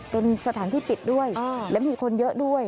เป็นสถานที่ปิดด้วยและมีคนเยอะด้วย